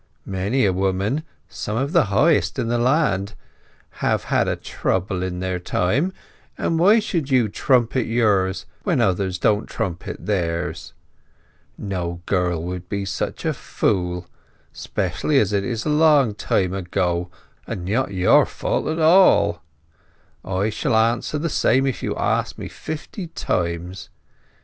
Many a woman—some of the Highest in the Land—have had a Trouble in their time; and why should you Trumpet yours when others don't Trumpet theirs? No girl would be such a Fool, specially as it is so long ago, and not your Fault at all. J shall answer the same if you ask me fifty times.